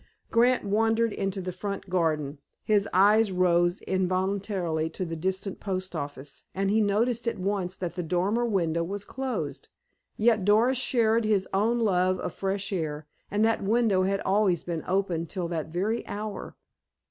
Grant wandered into the front garden. His eyes rose involuntarily to the distant post office, and he noticed at once that the dormer window was closed. Yet Doris shared his own love of fresh air, and that window had always been open till that very hour.